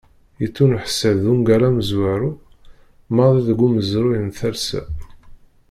Yettuneḥsab d ungal amezwaru maḍi deg umezruy n talsa.